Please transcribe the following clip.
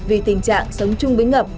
vì tình trạng sống chung với ngập